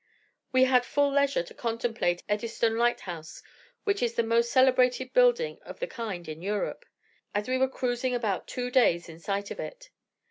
We had full leisure to contemplate Eddystone Lighthouse, which is the most celebrated building of the kind in Europe, as we were cruising about for two days in sight of it.